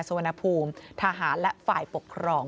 สุวรรณภูมิทหารและฝ่ายปกครอง